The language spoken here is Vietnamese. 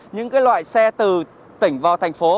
những loại xe từ tỉnh vào thành phố